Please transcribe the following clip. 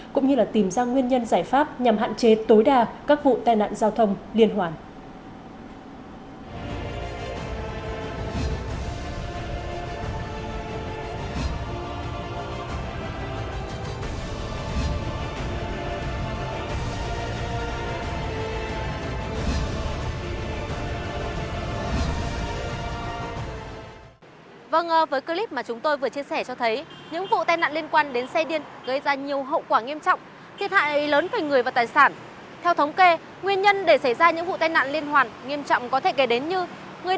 cũng như là tìm ra nguyên nhân giải pháp nhằm hạn chế tối đa các vụ tai nạn giao thông liên hoàn